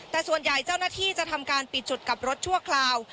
แต่ส่วนใหญ่เจ้าหน้าที่จะทำการปิดจุดกลับรถชั่วคราว